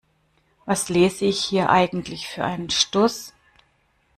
Was lese ich hier eigentlich für einen Stuss?